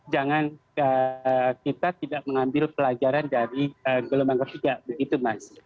jangan kita tidak mengambil pelajaran dari gelombang ketiga begitu mas